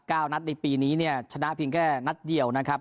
นัดในปีนี้เนี่ยชนะเพียงแค่นัดเดียวนะครับ